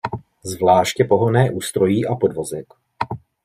Zvláště pohonné ústrojí a podvozek.